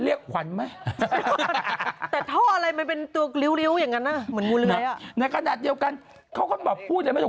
เฮ้ยมันเหมือนมากเลยนะดูสิ